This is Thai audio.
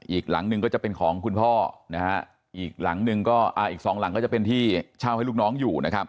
อีกหลังหนึ่งก็จะเป็นของคุณพ่อนะฮะอีกหลังหนึ่งก็อีกสองหลังก็จะเป็นที่เช่าให้ลูกน้องอยู่นะครับ